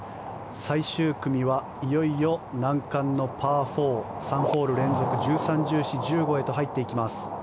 最終組はいよいよ難関のパー４３ホール連続１３、１４、１５へと入っていきます。